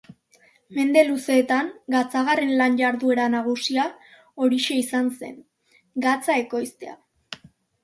Mende luzeetan gatzagarren lan-jarduera nagusia horixe izan zen: gatza ekoiztea.